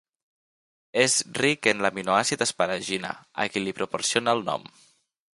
És ric en l'aminoàcid asparagina, a qui li proporciona el nom.